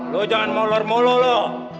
lu jangan molor molo lu